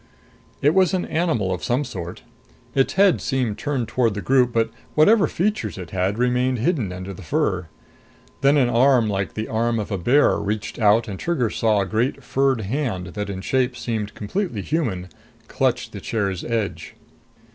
It was an animal of some sort. Its head seemed turned toward the group, but whatever features it had remained hidden under the fur. Then an arm like the arm of a bear reached out and Trigger saw a great furred hand that in shape seemed completely human clutch the chair's edge.